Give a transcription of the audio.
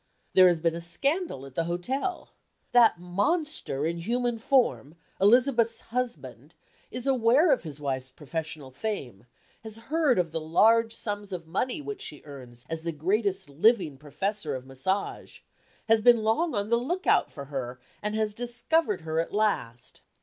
There has been a scandal at the hotel. That monster in human form, Elizabeth's husband, is aware of his wife's professional fame, has heard of the large sums of money which she earns as the greatest living professor of massage, has been long on the lookout for her, and has discovered her at last.